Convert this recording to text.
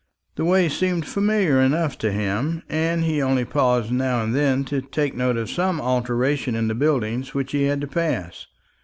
The way seemed familiar enough to him, and he only paused now and then to take note of some alteration in the buildings which he had to pass.